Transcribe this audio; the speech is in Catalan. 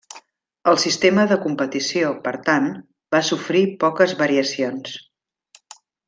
El sistema de competició, per tant, va sofrir poques variacions.